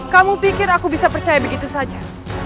kamu pikir aku bisa percaya begitu saja